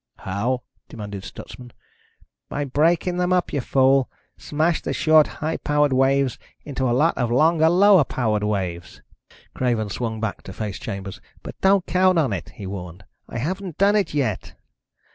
"How?" demanded Stutsman. "By breaking them up, you fool. Smash the short, high powered waves into a lot of longer, lower powered waves." Craven swung back to face Chambers. "But don't count on it," he warned. "I haven't done it yet."